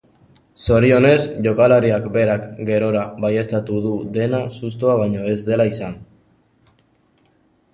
Zorionez, jokalariak berak gerora baieztatu du dena sustoa baino ez dela izan.